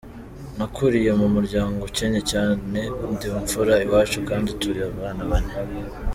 Nakuriye mu muryango ukennye cyane, ndi imfura iwacu kandi turi abana bane.